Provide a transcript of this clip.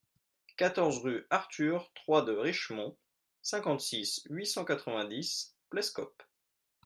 quatorze rue Arthur trois de Richemond, cinquante-six, huit cent quatre-vingt-dix, Plescop